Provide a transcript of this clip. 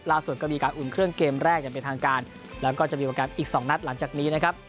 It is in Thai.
ก็มีการอุ่นเครื่องเกมแรกอย่างเป็นทางการแล้วก็จะมีโปรแกรมอีกสองนัดหลังจากนี้นะครับ